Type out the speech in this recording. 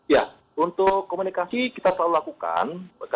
ya untuk komunikasi kita selalu lakukan